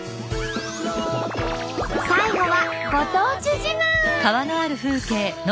最後はご当地自慢。